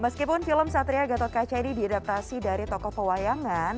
meskipun film satria gatot kaca ini diadaptasi dari tokoh pewayangan